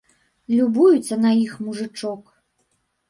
Любуецца на іх мужычок.